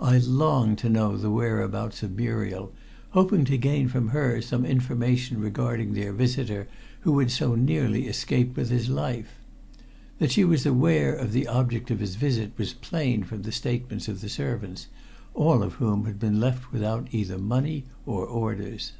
I longed to know the whereabouts of Muriel, hoping to gain from her some information regarding their visitor who had so nearly escaped with his life. That she was aware of the object of his visit was plain from the statements of the servants, all of whom had been left without either money or orders.